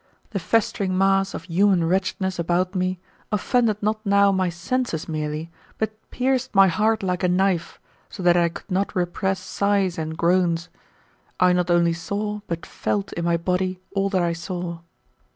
The festering mass of human wretchedness about me offended not now my senses merely, but pierced my heart like a knife, so that I could not repress sighs and groans. I not only saw but felt in my body all that I saw.